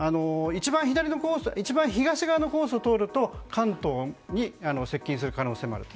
一番東側のコースを通ると関東に接近する可能性もあると。